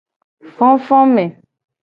Fofome.